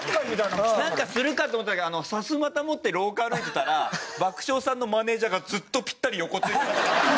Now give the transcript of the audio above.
なんかするかと思ったけどサスマタ持って廊下歩いてたら爆笑さんのマネジャーがずっとぴったり横ついてました。